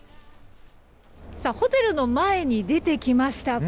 ホテルの前に出てきました。